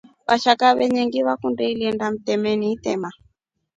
Vashaka venyengi vakundi iinda mtemi itema.